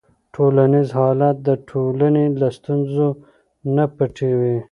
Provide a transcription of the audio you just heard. ټولنیز حالت د ټولنې له ستونزو نه پټوي.